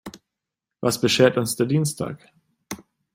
Was beschert uns der Dienstag?